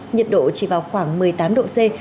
nhiệt độ chỉ vào khoảng một mươi tám độ c